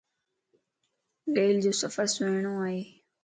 ريلَ جو سفر سھڻو ائي.